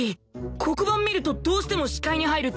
黒板見るとどうしても視界に入るだけだし